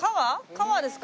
川ですか？